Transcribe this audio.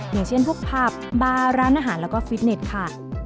อย่างเช่นพวกผับบาร์ร้านอาหารแล้วก็ฟิตเน็ตค่ะ